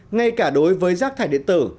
ngay cả đối với rác thải điện tử